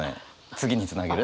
次につなげる。